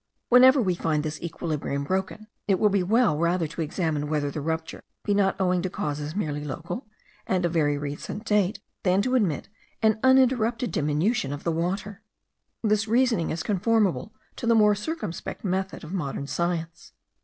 Whenever we find this equilibrium broken, it will be well rather to examine whether the rupture be not owing to causes merely local, and of very recent date, than to admit an uninterrupted diminution of the water. This reasoning is conformable to the more circumspect method of modern science.